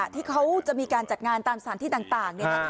ที่เขาจะมีการจัดงานตามสถานที่ต่าง